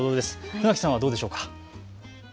船木さんはどうでしょうか。